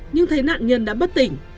nhưng thấy nạn nhân đã bất tỉnh